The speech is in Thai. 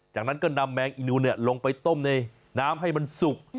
จากนั้นก็นำแมงอีนูลงไปต้มในน้ำให้มันสุก